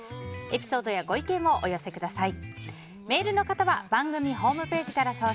エピソードやご意見をお寄せください。